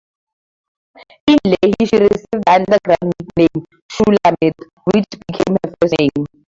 In "Lehi" she received the underground nickname "Shulamit" which became her first name.